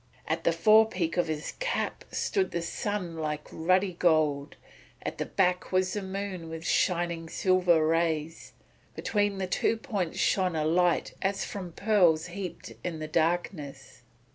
At the fore peak of his cap shone the sun like ruddy gold; at the back was the moon with shining silver rays; between the two points shone a light as from pearls heaped up in the darkness.